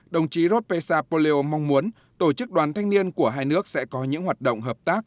đồng chí rod pesapoleo mong muốn tổ chức đoàn thanh niên của hai nước sẽ có những hoạt động hợp tác